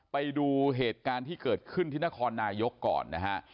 ไปดูเหตุการณ์ที่เกิดขึ้นที่นครนายกก่อนนะฮะ